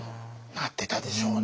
なってたでしょうね。